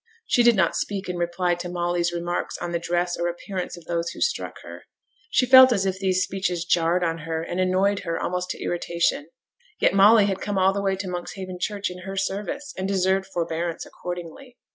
She did not speak in reply to Molly's remarks on the dress or appearance of those who struck her. She felt as if these speeches jarred on her, and annoyed her almost to irritation; yet Molly had come all the way to Monkshaven Church in her service, and deserved forbearance accordingly.